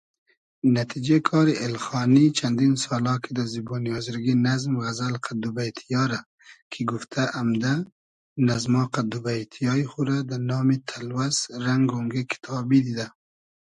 نتیجې کاری اېلخانی چئندین سالا کی دۂ زیبۉنی آزرگی نئزم، غئزئل قئد دو بݷتی یا رۂ کی گوفتۂ امدۂ، نئزما قئد دوبݷتی یای خو رۂ دۂ نامی تئلوئس رئنگ اۉنگې کیتابی دیدۂ